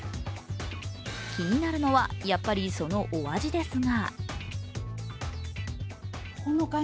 気になるのは、やっぱり、そのお味ですが？